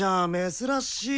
珍しい！